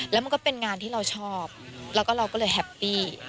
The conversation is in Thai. แล้วมันก็เป็นงานที่เราชอบแล้วก็เราก็เลยแฮปปี้